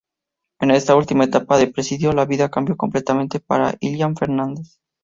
En esta última etapa de presidio, la vida cambió completamente para Ilan Fernández.